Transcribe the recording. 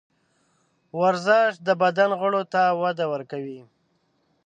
ورزش د بدن غړو ته وده ورکوي.